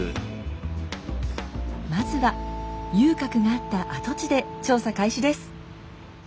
まずは遊郭があった跡地で調査開始です。